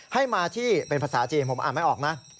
ให้มาที่เป็นภาษาจีนผมอ่านไม่ออกนะ